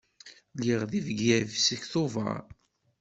Lliɣ deg Bgayet seg Tubeṛ.